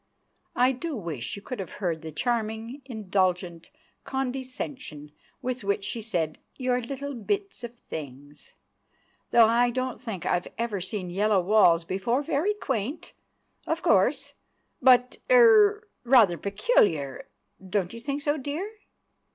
I do wish you could have heard the charming, indulgent condescension with which she said "your little bits of things"! "Though I don't think I've ever seen yellow walls before—very quaint, of course, but—er—rather peculiar. Don't you think so, dear?"